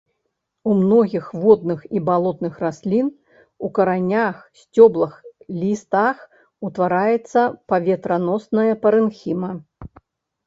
У многіх водных і балотных раслін у каранях, сцёблах, лістах утвараецца паветраносная парэнхіма.